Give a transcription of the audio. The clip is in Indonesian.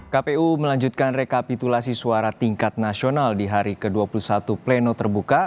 kpu melanjutkan rekapitulasi suara tingkat nasional di hari ke dua puluh satu pleno terbuka